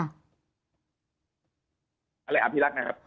อะไรอภิรักษ์นะครับ